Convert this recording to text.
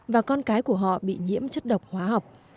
và con cái của họ bị nhiễm chất độc